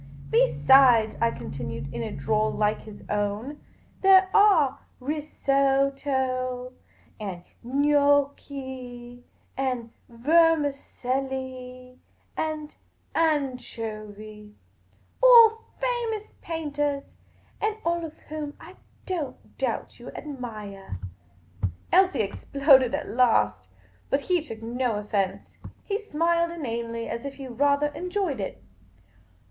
" Besides," I contiiuied, in a drawl like his own, " there are Risotto, and Gnocchi, and Vermicelli, and Anchovy — all famous paintahs, and all of whom I don't doubt you adniiah." The Pea Green Patrieian 227 Elsie exploded at last. Bu^ he took no offence. He smiled inanely, as if he rather enjoyed it.